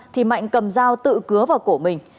thì mạnh cầm dao tự cứa vào cổ mình